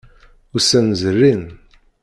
Ussan zerrin.